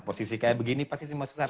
posisi kayak begini pasti semua susah